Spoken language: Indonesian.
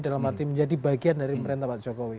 dalam arti menjadi bagian dari pemerintah pak jokowi